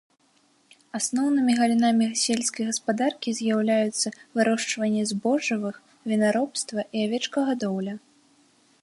Асноўнымі галінамі сельскай гаспадаркі з'яўляюцца вырошчванне збожжавых, вінаробства і авечкагадоўля.